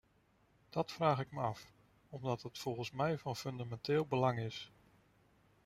Dat vraag ik me af, omdat het volgens mij van fundamenteel belang is.